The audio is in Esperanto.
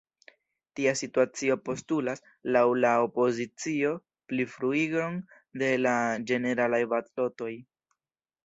Tia situacio postulas, laŭ la opozicio, plifruigon de la ĝeneralaj balotoj.